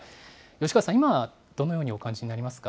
吉川さん、今、どのようにお感じ